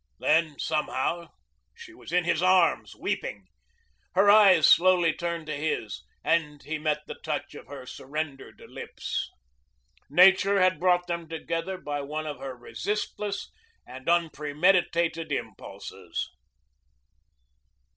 Then, somehow, she was in his arms weeping. Her eyes slowly turned to his, and he met the touch of her surrendered lips. Nature had brought them together by one of her resistless and unpremeditated impulses.